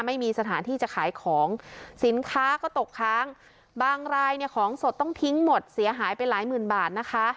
ไม่มีสถานที่จะขายของสินค้าก็ตกค้างบางรายเนี่ยของสดต้องทิ้งหมดเสียหายไปหลายหมื่นบาทนะคะ